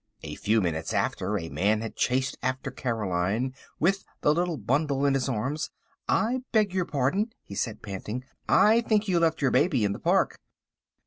A few minutes after a man had chased after Caroline with the little bundle in his arms. "I beg your pardon," he said, panting, "I think you left your baby in the park."